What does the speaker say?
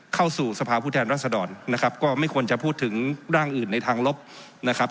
เข้าสู่สภาพผู้แทนรัศดรนะครับก็ไม่ควรจะพูดถึงร่างอื่นในทางลบนะครับ